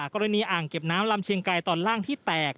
อ่างเก็บน้ำลำเชียงไกรตอนล่างที่แตก